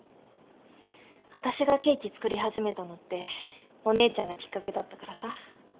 私がケーキ作り始めたのってお姉ちゃんがきっかけだったからさ。